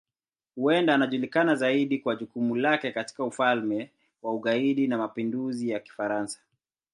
Huenda anajulikana zaidi kwa jukumu lake katika Ufalme wa Ugaidi wa Mapinduzi ya Kifaransa.